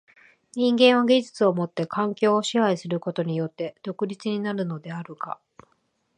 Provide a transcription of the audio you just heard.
人間は技術をもって環境を支配することによって独立になるのであるが、